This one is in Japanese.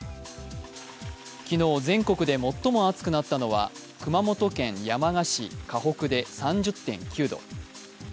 昨日、全国で最も暑くなったのは熊本県山鹿市鹿北で３０．９度。